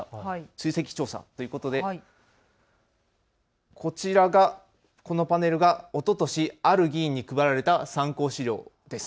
追跡調査ということでこちらがおととし、ある議員に配られた参考資料です。